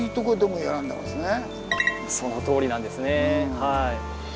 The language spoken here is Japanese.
そのとおりなんですね。